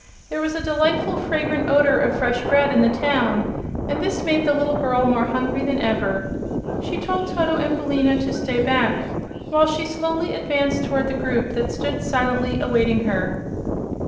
There was a delightful fragrant odor of fresh bread in the town, and this made the little girl more hungry than ever. She told Toto and Billina to stay back while she slowly advanced toward the group that stood silently awaiting her.